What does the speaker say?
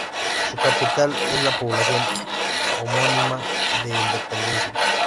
Su capital es la población homónima de Independencia.